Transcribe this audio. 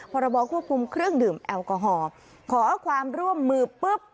พรบควบคุมเครื่องดื่มแอลกอฮอล์ขอความร่วมมือปุ๊บ